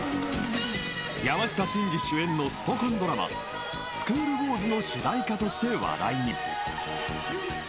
［山下真司主演のスポ根ドラマ『スクール☆ウォーズ』の主題歌として話題に］